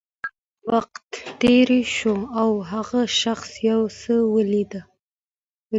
زیات وخت تېر شو او هغه شخص یو څه ولیدل